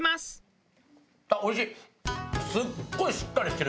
あっおいしい！